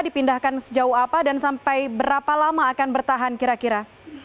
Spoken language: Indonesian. dipindahkan sejauh apa dan sampai berapa lama akan bertahan kira kira